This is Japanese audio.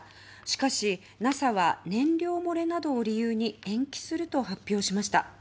しかしＮＡＳＡは燃料漏れなどを理由に延期すると発表しました。